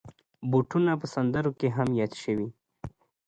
بوټونه په سندرو کې هم یاد شوي.